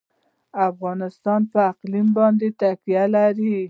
افغانستان په اقلیم باندې تکیه لري.